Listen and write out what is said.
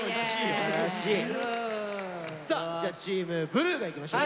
じゃあチームブルーがいきましょうか。